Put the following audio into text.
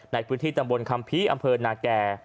ในพื้นที่ตำบลคัมภีร์อำเภอนาแก่